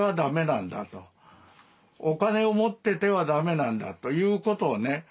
お金を持っててはだめなんだということをね